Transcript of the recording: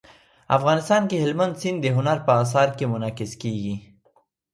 افغانستان کې هلمند سیند د هنر په اثار کې منعکس کېږي.